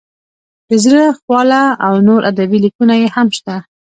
د زړه خواله او نور ادبي لیکونه یې هم شته.